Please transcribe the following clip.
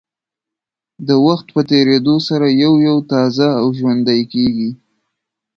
د وخت په تېرېدو سره یو یو تازه او ژوندۍ کېږي.